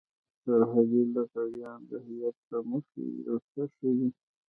سرحدي لغړيان د هويت له مخې يو څه ښه دي.